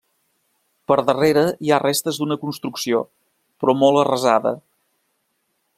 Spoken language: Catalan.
Per darrere hi ha restes d'una construcció, però molt arrasada.